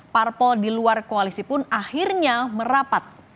parpol di luar koalisi pun akhirnya merapat